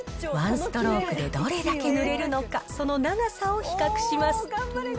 １ストロークでどれだけ塗れるのか、その長さを比較します。